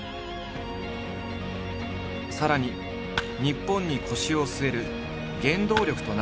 さらに日本に腰を据える原動力となったものがある。